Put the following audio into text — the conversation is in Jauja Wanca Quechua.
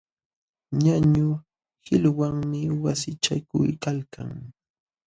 Ñañu qiluwanmi wasichakuykalkan.